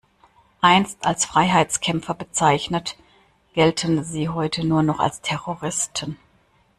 Einst als Freiheitskämpfer bezeichnet, gelten sie heute nur noch als Terroristen.